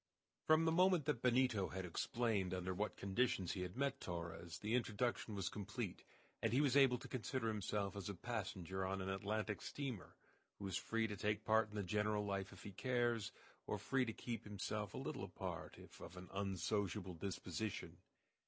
From the moment that Benito had explained under what conditions he had met Torres the introduction was complete, and he was able to consider himself as a passenger on an Atlantic steamer, who is free to take part in the general life if he cares, or free to keep himself a little apart if of an unsociable disposition.